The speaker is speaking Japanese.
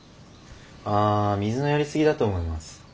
あ水のやり過ぎだと思います。